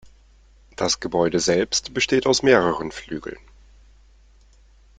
Das Gebäude selbst besteht aus mehreren Flügeln.